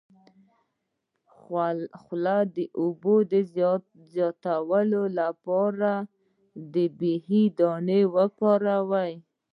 د خولې د اوبو د زیاتوالي لپاره د بهي دانه وکاروئ